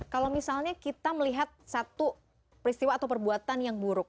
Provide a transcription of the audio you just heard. kalau misalnya kita melihat satu peristiwa atau perbuatan yang buruk